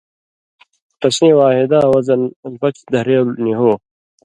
تسیں واحداں وزن بچ دھرېلوۡ نی ہو،